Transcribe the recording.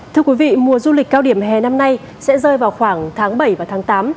thưa quý vị mùa du lịch cao điểm hè năm nay sẽ rơi vào khoảng tháng bảy và tháng tám